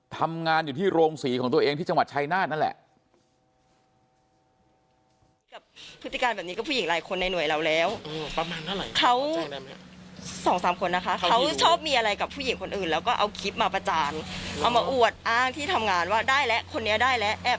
ทำงานอยู่ที่โรงศรีของตัวเองที่จังหวัดชายนาฏนั่นแหละ